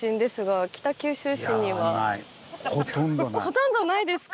ほとんどないですか？